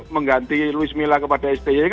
mengganti luismila kepada sti